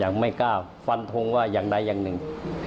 ๓อย่างไม่กล้าฝันทงว่าอยากได้อย่างหนึ่ง